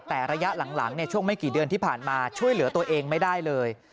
แต่ระยะหลังช่วงไม่กี่เดือนที่ผ่านมาช่วยเหลือตัวเองไม่ได้เลย